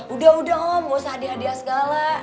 udah udah om gak usah hadiah hadiah segala